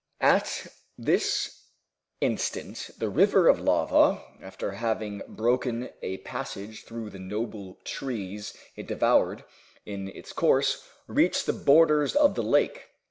At this instant the river of lava, after having broken a passage through the noble trees it devoured in its course, reached the borders of the lake.